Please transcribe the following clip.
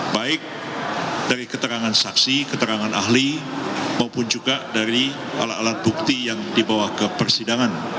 baik dari keterangan saksi keterangan ahli maupun juga dari alat alat bukti yang dibawa ke persidangan